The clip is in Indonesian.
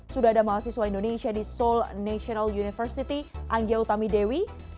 sudah ada mahasiswa indonesia di seoul national university anggia utami dewi